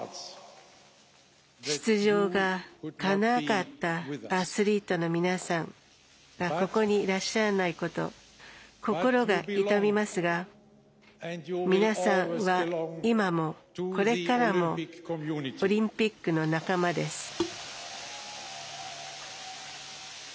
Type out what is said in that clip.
出場がかなわなかったアスリートの皆さんがここに、いらっしゃらないこと心が痛みますが皆さんは今も、これからもオリンピックの仲間です。